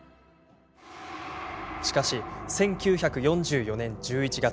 しかし、１９４４年１１月。